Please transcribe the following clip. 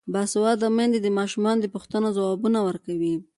باسواده میندې د ماشومانو د پوښتنو ځوابونه ورکوي.